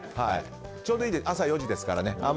ちょうどいいですね朝４時ですから。